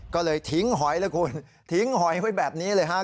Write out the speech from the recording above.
ก็เลยทิ้งหอยแล้วคุณทิ้งหอยไว้แบบนี้เลยครับ